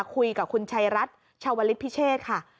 คุยกับคุณชัยรัฐชาวลิศพิเชษค่ะ